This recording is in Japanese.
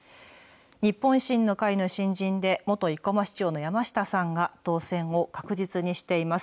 日本維新の会の新人で、元生駒市長の山下さんが当選を確実にしています。